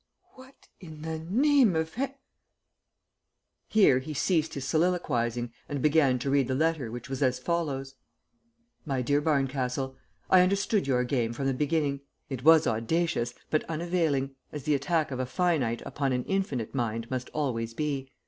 What in the name of Heav " Here he ceased his soliloquizing and began to read the letter which was as follows: "MY DEAR BARNCASTLE, I understood your game from the beginning. It was audacious, but unavailing, as the attack of a finite upon an infinite mind must always be.